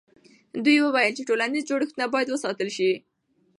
دوی وویل چې ټولنیز جوړښتونه باید وساتل سي.